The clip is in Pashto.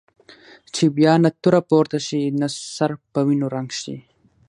چې بیا نه توره پورته شي نه سر په وینو رنګ شي.